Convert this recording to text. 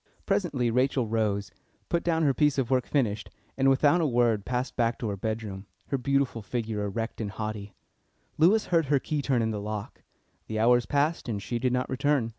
Presently Rachel rose, put down her piece of work finished, and without a word passed back to her bedroom, her beautiful figure erect and haughty. Lewis heard her key turn in the lock. The hours passed, and she did not return.